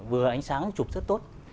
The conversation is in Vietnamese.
vừa ánh sáng chụp rất tốt